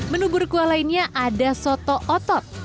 menu buruk kuah lainnya ada soto otot